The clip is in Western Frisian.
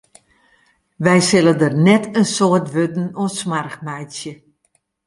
Wy sille der net in soad wurden oan smoarch meitsje.